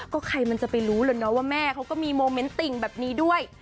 ก็ใครมันจะไปรู้เลยนะว่าแม่เขาก็มีโมเมนต์ติ่งแบบนี้ด้วย